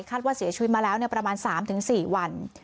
ว่าเสียชีวิตมาแล้วประมาณ๓๔วัน